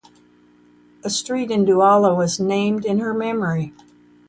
A street in Douala was named in her memory.